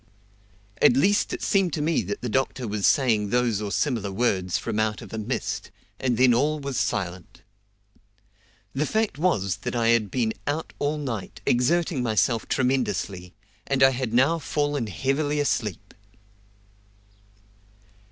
At least it seemed to me that the doctor was saying those or similar words from out of a mist, and then all was silent. The fact was that I had been out all night, exerting myself tremendously, and I had now fallen heavily asleep.